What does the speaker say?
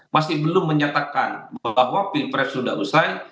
masih belum menyatakan bahwa pilpres sudah usai